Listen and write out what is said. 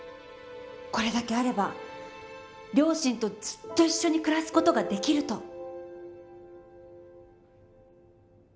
これだけあれば両親とずっと一緒に暮らす事ができると。